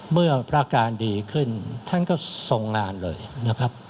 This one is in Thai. เมื่อพระอาการดีขึ้นท่านก็ทรงงานเลยนะครับ